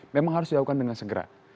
memang harus dilakukan dengan segera